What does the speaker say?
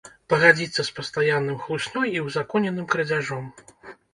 Пагадзіцца з пастаянным хлуснёй і ўзаконеным крадзяжом.